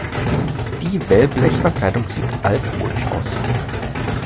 Die Wellblechverkleidung sieht altmodisch aus.